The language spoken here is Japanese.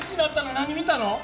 何見たの？